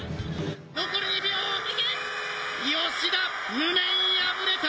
「残り２秒吉田無念敗れた。